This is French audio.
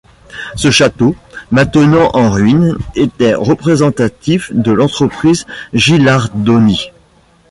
Ce château, maintenant en ruine, était représentatif de l'entreprise Gilardoni.